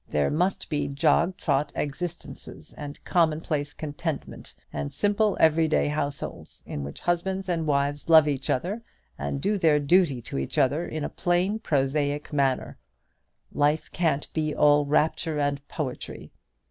There must be jog trot existences, and commonplace contentment, and simple every day households, in which husbands and wives love each other, and do their duty to each other in a plain prosaic manner. Life can't be all rapture and poetry.